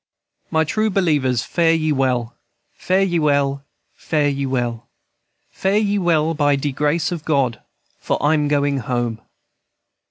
"My true believers, fare ye well, Fare ye well, fare ye well, Fare ye well, by de grace of God, For I'm going home.